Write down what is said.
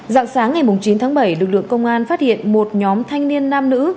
dạng sáng ngày chín tháng bảy lực lượng công an phát hiện một nhóm thanh niên nam nữ